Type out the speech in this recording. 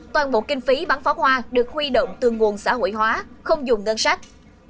toàn bộ kinh phí bắn pháo hoa được huy động từ nguồn xã hội hóa không dùng ngân sách